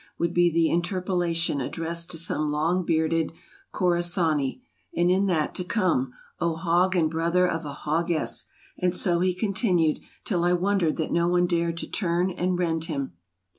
" would be the interpolation ad dressed to some long bearded Khorasani —" and in that to come — O hog and brother of a hoggess !'' And so he con tinued till I wondered that no one dared to turn and rend him.